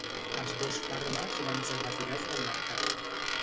Els dos fàrmacs van ser retirats del mercat.